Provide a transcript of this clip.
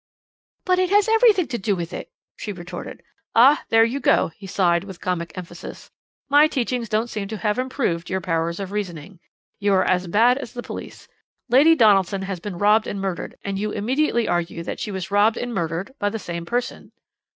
"But it has everything to do with it!" she retorted. "Ah, there you go," he sighed with comic emphasis. "My teachings don't seem to have improved your powers of reasoning. You are as bad as the police. Lady Donaldson has been robbed and murdered, and you immediately argue that she was robbed and murdered by the same person."